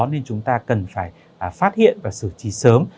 nên chúng ta cần phải phát hiện và xử trí sớm